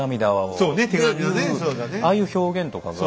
ああいう表現とかが。